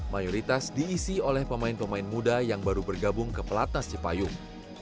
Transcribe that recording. mayoritas diisi oleh pemain pemain muda yang baru bergabung ke pelatnas cipayung